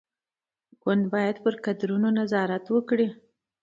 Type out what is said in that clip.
ګوند باید پر کادرونو نظارت وکړي.